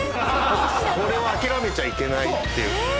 これは諦めちゃいけないっていう。